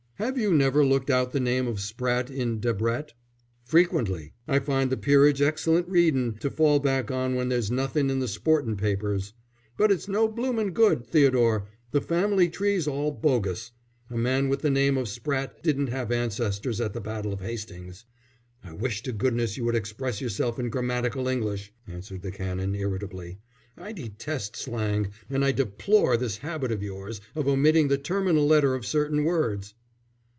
"Have you never looked out the name of Spratte in Debrett?" "Frequently. I find the peerage excellent readin' to fall back on when there's nothin' in the sportin' papers. But it's no bloomin' good, Theodore; the family tree's all bogus. A man with the name of Spratte didn't have ancestors at the battle of Hastings." "I wish to goodness you would express yourself in grammatical English," answered the Canon, irritably. "I detest slang, and I deplore this habit of yours of omitting the terminal letter of certain words."